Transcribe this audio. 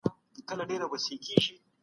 ځوانان به تر زړو زيات کتابتونونو ته لاړ سي.